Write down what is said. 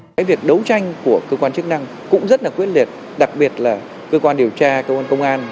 cái việc đấu tranh của cơ quan chức năng cũng rất là quyết liệt đặc biệt là cơ quan điều tra công an